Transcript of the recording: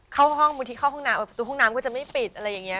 เข้าห้องบางทีเข้าห้องน้ำประตูห้องน้ำก็จะไม่ปิดอะไรอย่างนี้